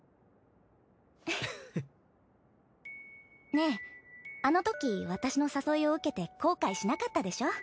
ねぇあのとき私の誘いを受けて後悔しなかったでしょ？